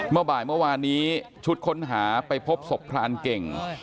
เมื่อบ่ายเมื่อวานนี้ชุดค้นหาไปพบศพพรานเก่ง